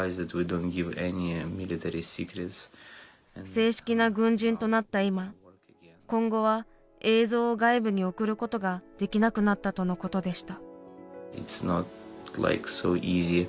正式な軍人となった今今後は映像を外部に送ることができなくなったとのことでした。